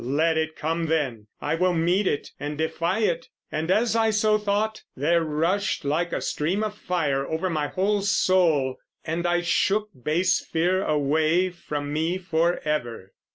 Let it come then; I will meet it and defy it!' And as I so thought, there rushed like a stream of fire over my whole soul; and I shook base Fear away from me forever."